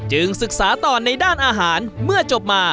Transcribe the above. ศึกษาต่อในด้านอาหารเมื่อจบมา